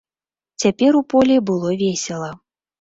Цяпер у полі было весела.